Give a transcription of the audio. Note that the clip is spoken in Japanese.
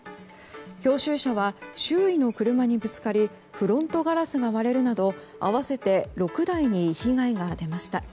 教習車は周囲の車にぶつかりフロントガラスが割れるなど合わせて６台に被害が出ました。